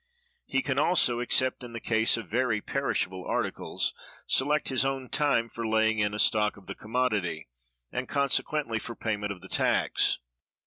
He can also, except in the case of very perishable articles, select his own time for laying in a stock of the commodity, and consequently for payment of the tax.